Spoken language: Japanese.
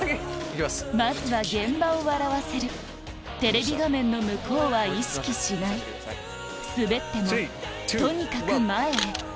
「まずは現場を笑わせる」「テレビ画面の向こうは意識しない」「スベってもとにかく前へ」